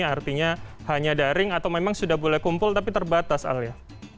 artinya hanya daring atau memang sudah boleh kumpul tapi terbatas alia